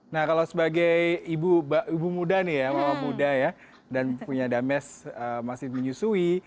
nah kalau sebagai ibu muda nih ya mama muda ya dan punya dames masih menyusui